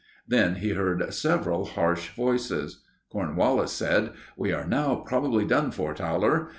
Then he heard several harsh voices. Cornwallis said: "We are now probably done for, Towler.